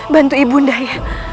bantu ibu undang ya